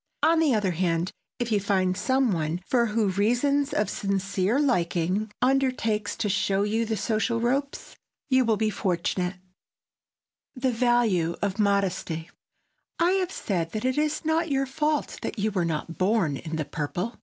On the other hand, if you find some one who for reasons of sincere liking undertakes to show you the social ropes, you will be fortunate. [Sidenote: THE VALUE OF MODESTY] I have said that it is not your fault that you were not born in the purple.